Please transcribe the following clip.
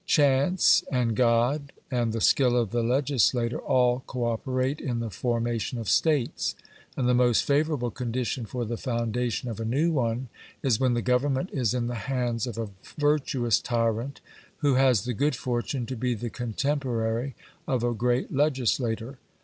Chance, and God, and the skill of the legislator, all co operate in the formation of states. And the most favourable condition for the foundation of a new one is when the government is in the hands of a virtuous tyrant who has the good fortune to be the contemporary of a great legislator.